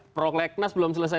prokleknas belum selesai